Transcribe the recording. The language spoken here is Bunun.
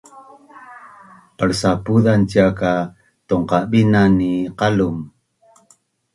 Palsapuzan cia ka tungqabinan ni qalum